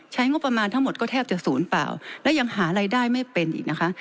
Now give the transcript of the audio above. งบประมาณทั้งหมดก็แทบจะศูนย์เปล่าและยังหารายได้ไม่เป็นอีกนะคะ